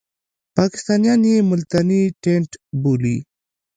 پاکستانیان یې ملتانی ټېنټ بولي.